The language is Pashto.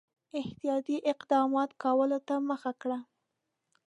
احتیاطي اقداماتو کولو ته مخه کړه.